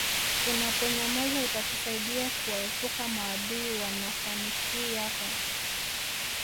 Unaponyamaza itakusaidia kuwaepuka maadui wa nafanikii yako